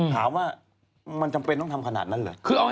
ถามว่ามันจำเป็นต้องทำขนาดนั้นเหรอ